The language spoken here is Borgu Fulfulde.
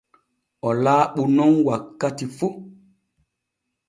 O laaɓu nun wakkati fu.